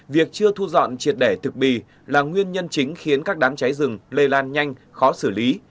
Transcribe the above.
việc chưa thu dọn triệt đẻ thực bì là nguyên nhân chính khiến các đám cháy rừng lây lan nhanh khó xử lý